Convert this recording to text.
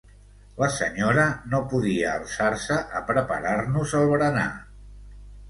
La senyora no podia alçar-se a preparar-nos el berenar.